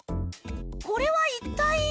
これは一体？